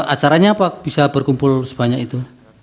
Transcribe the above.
acaranya apa bisa berkumpul sebanyak itu